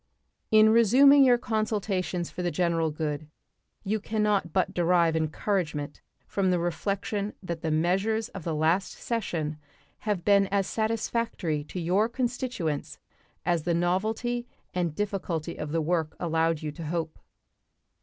In resuming your consultations for the general good you can not but derive encouragement from the reflection that the measures of the last session have been as satisfactory to your constituents as the novelty and difficulty of the work allowed you to hope.